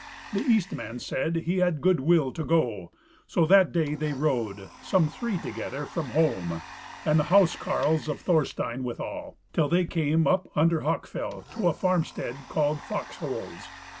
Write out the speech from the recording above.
The Eastman said he had good will to go, so that day they rode, some three together, from home, and the house carles of Thorstein withal, till they came up under Hawkfell to a farmstead called Foxholes.